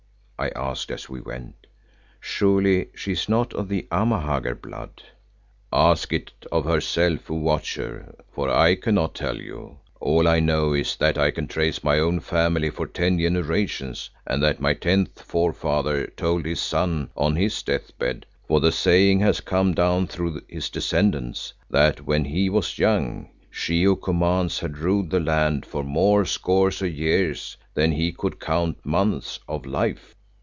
I asked as we went. "Surely she is not of the Amahagger blood." "Ask it of herself, O Watcher, for I cannot tell you. All I know is that I can trace my own family for ten generations and that my tenth forefather told his son on his deathbed, for the saying has come down through his descendants—that when he was young She who commands had ruled the land for more scores of years than he could count months of life."